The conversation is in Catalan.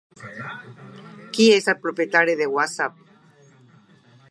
Qui és el propietari de WhatsApp?